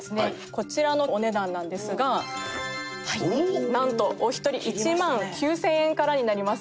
こちらのお値段なんですがなんとお一人１万９０００円からになります。